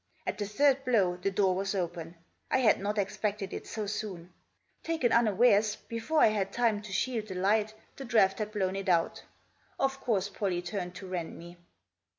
At the third blow the door was open. I had not expected it so soon. Taken unawares, before I had time to shield the light the draught had blown it out Of course Pollie turned to rend me.